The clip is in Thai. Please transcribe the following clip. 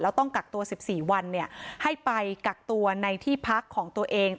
ต้องกักตัว๑๔วันให้ไปกักตัวในที่พักของตัวเอง